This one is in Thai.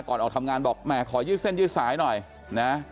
ออกทำงานบอกแหมขอยืดเส้นยืดสายหน่อยนะ